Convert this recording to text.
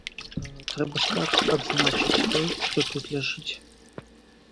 Трэба скарб адзначыць той, што тут ляжыць.